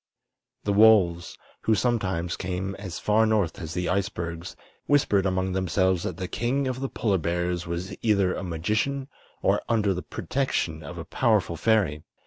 The wolves, who sometimes came as far north as the icebergs, whispered among themselves that the King of the Polar Bears was either a magician or under the protection of a powerful fairy.